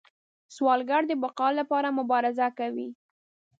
سوالګر د بقا لپاره مبارزه کوي